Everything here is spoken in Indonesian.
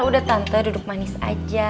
udah tante duduk manis aja